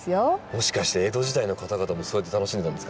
もしかして江戸時代の方々もそうやって楽しんでたんですか？